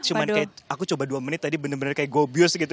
cuma kayak aku coba dua menit tadi benar benar kayak gobiose gitu